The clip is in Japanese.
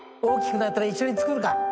大きくなったら一緒に作るか。